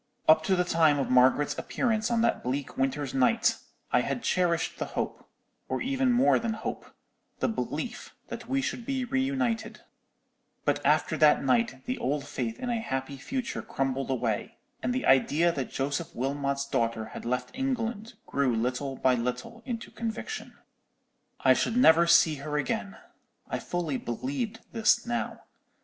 Up to the time of Margaret's appearance on that bleak winter's night, I had cherished the hope—or even more than hope—the belief that we should be reunited: but after that night the old faith in a happy future crumbled away, and the idea that Joseph Wilmot's daughter had left England grew little by little into conviction. "I should never see her again. I fully believed this now.